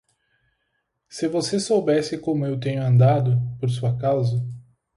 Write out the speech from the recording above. Se você soubesse como eu tenho andado, por sua causa.